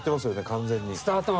完全に。